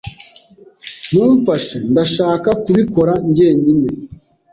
Ntumfashe. Ndashaka kubikora njyenyine.